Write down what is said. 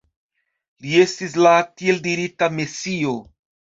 Li estis la tieldirita Mesio.